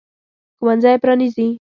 ښوونځی پرانیزي.